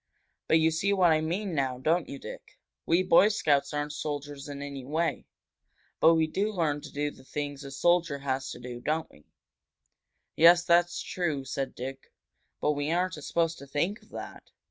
"But you see what I mean now, don't you, Dick? We Boy Scouts aren't soldiers in any way. But we do learn to do the things a soldier has to do, don't we?" "Yes, that's true," said Dick. "But we aren't supposed to think of that."